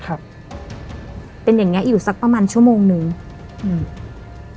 ครับเป็นอย่างเงี้อยู่สักประมาณชั่วโมงหนึ่งอืม